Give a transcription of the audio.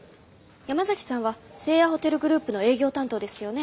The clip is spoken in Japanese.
山崎さんは西亜ホテルグループの営業担当ですよね？